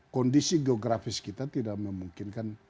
kondisi geografis kita tidak memungkinkan